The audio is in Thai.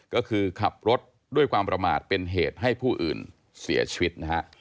ก็คือขับรถด้วยความประมาทเป็นเหตุให้ผู้อื่นเสียชีวิตนะฮะ